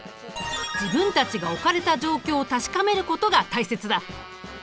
自分たちが置かれた状況を確かめることが大切だ。